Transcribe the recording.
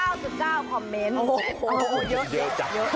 โอ้โฮเยอะ